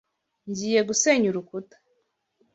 Ngiye gusenya urukuta.